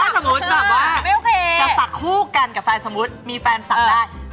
เอาถ้าสมมุติสักคู่กันกับแฟนศาสตร์